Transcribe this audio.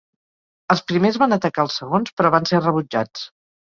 Els primers van atacar als segons però van ser rebutjats.